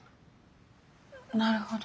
なるほど。